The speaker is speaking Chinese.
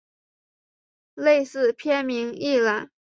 类似片名一览